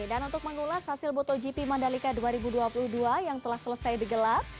dan untuk mengulas hasil motogp mandalika dua ribu dua puluh dua yang telah selesai digelap